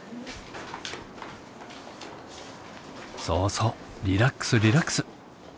そうそうリラックスリラックス。